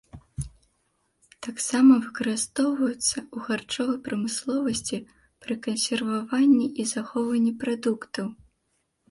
Таксама выкарыстоўваюцца ў харчовай прамысловасці пры кансерваванні і захоўванні прадуктаў.